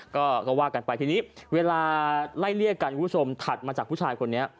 ก็ว่ากันไปทีนี้เวลาไล่เลี่ยกันคุณผู้ชมถัดมาจากผู้ชายคนนี้